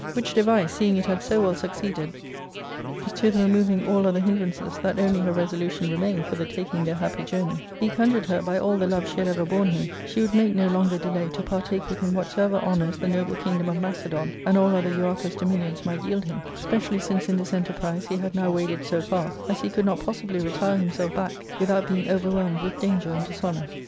Which device seeing it had so well succeeded to the re moving all other hindrances that only her resolution re mained for the taking their happy journey, he conjured her by all the love she had ever borne him she would make no longer delay to partake with him whatsoever honours the noble kingdom of Macedon, and all other Euarchus' dominion s, might yield him, specially since in this ente^rise he had now waded so far as he could not possibly retire himself back without being overwhelmed with danger and dishonour.